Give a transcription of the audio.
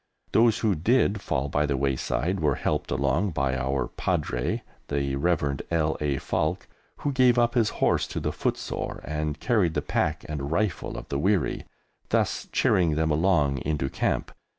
Those who did fall by the wayside were helped along by our Padre, the Rev. L. A. Falk, who gave up his horse to the footsore and carried the pack and rifle of the weary, thus cheering them along into Camp.